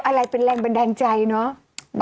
อะไรเป็นแรงบันดาลใจเนอะ